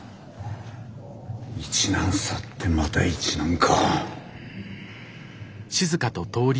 一難去ってまた一難か。